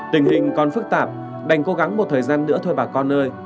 tình hình còn phức tạp đành cố gắng một thời gian nữa thôi bà con nơi